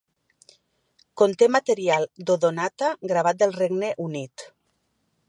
Conté material d'Odonata gravat del Regne Unit.